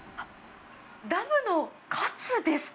ラムのカツですか？